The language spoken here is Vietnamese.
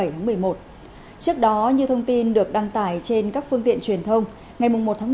trước đó như thông tin được đăng tải trên các phương tiện truyền thông ngày một một mươi một